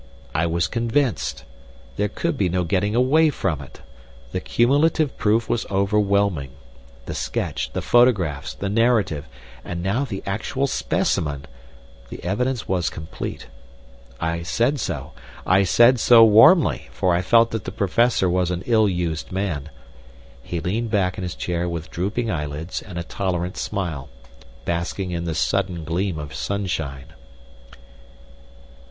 I was convinced. There could be no getting away from it. The cumulative proof was overwhelming. The sketch, the photographs, the narrative, and now the actual specimen the evidence was complete. I said so I said so warmly, for I felt that the Professor was an ill used man. He leaned back in his chair with drooping eyelids and a tolerant smile, basking in this sudden gleam of sunshine.